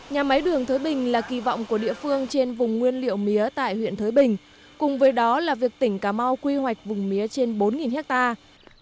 nhà máy đường thới bình là kỳ vọng của địa phương trên vùng nguyên liệu mía tại huyện thới bình cùng với đó là việc tỉnh cà mau quy hoạch vùng mía trên bốn hectare